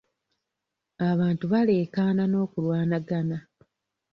Abantu baleekaana n'okulwanagana.